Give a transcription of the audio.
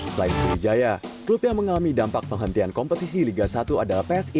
selain sriwijaya klub yang mengalami dampak penghentian kompetisi liga satu adalah psi